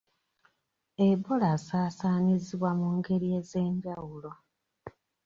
Ebola asaasaanyizibwa mu ngeri ez'enjawulo.